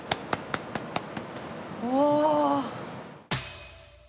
うわ。